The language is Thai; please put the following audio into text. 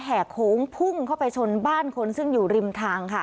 แห่โค้งพุ่งเข้าไปชนบ้านคนซึ่งอยู่ริมทางค่ะ